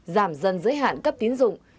giảm dần giới hạn các tín dụng